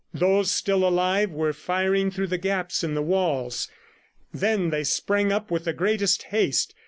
Those still alive were firing through the gaps in the walls. Then they sprang up with the greatest haste.